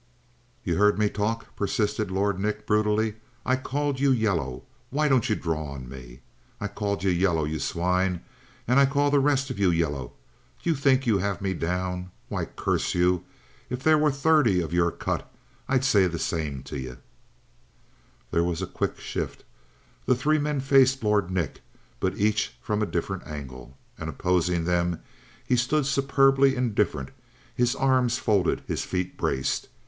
"You heard me talk?" persisted Lord Nick brutally. "I call you yellow. Why don't you draw on me? I called you yellow, you swine, and I call the rest of you yellow. You think you have me down? Why, curse you, if there were thirty of your cut, I'd say the same to you!" There was a quick shift, the three men faced Lord Nick, but each from a different angle. And opposing them, he stood superbly indifferent, his arms folded, his feet braced.